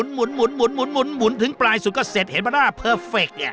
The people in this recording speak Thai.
หมุนถึงปลายสุดก็เสร็จเห็นไหมล่ะเพอร์เฟค